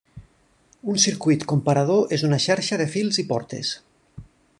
Un circuit comparador és una xarxa de fils i portes.